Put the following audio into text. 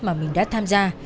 mà mình đã tham gia